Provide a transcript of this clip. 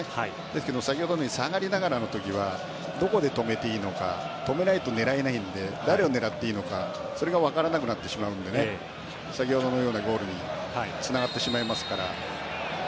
だけど先ほどのように下がりながらの時はどこで止めていいのか止めないと狙えないので誰を狙っていいのかが分からなくなってしまうので先ほどのようなゴールにつながってしまいますから。